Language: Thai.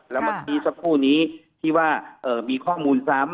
แล้วเมื่อกี้สักครู่นี้ที่ว่ามีข้อมูลซ้ำ